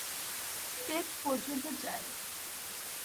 পেট পর্যন্ত যায়।